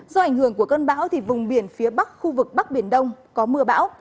do ảnh hưởng của cơn bão vùng biển phía bắc khu vực bắc biển đông có mưa bão